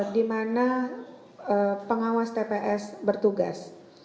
di mana pengawas tps bertugas